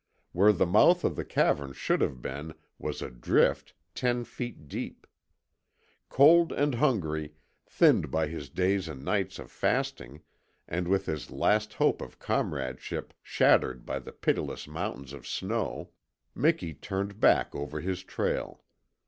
Where the mouth of the cavern should have been was a drift ten feet deep. Cold and hungry, thinned by his days and nights of fasting, and with his last hope of comradeship shattered by the pitiless mountains of snow, Miki turned back over his trail.